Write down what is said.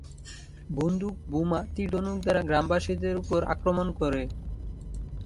বন্দুক, বোমা, তীর-ধনুক দ্বারা গ্রামবাসীদের উপর আক্রমণ করে।